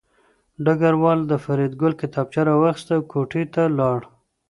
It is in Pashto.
ډګروال د فریدګل کتابچه راواخیسته او کوټې ته لاړ